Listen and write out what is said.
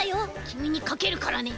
きみにかけるからね。